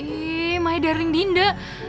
eh my darling dinda